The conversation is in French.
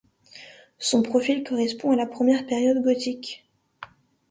Son profil correspond à la première période gothique.